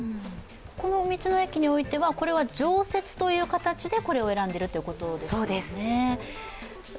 この道の駅においては常設という形でこれを選んでいるということですね。